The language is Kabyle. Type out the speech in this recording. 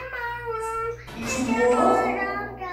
I timɣureḍ?